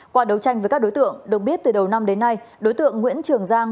qua đấu tranh với các đối tượng được biết từ đầu năm đến nay đối tượng nguyễn trường giang